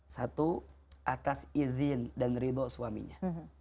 satu atas izin dan ridho suaminya